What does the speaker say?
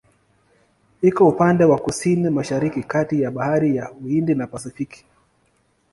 Iko upande wa Kusini-Mashariki kati ya Bahari ya Uhindi na Pasifiki.